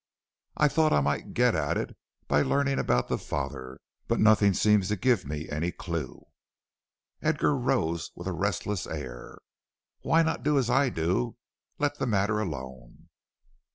"I thought I might get at it by learning about the father, but nothing seems to give me any clue." Edgar rose with a restless air. "Why not do as I do let the matter alone?"